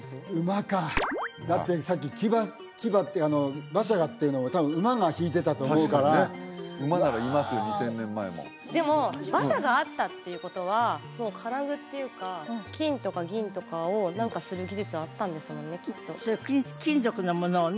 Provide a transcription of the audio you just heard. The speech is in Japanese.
馬かだってさっき騎馬馬車がっていうのを多分馬が引いてたと思うから確かにね馬ならいますよ２０００年前もでも馬車があったっていうことはもう金具っていうか金とか銀とかを何かする技術はあったんですもんねきっと金属のものをね